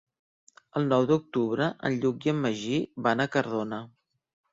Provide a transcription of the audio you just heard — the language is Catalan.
El nou d'octubre en Lluc i en Magí van a Cardona.